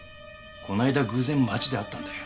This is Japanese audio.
この間偶然街で会ったんだよ。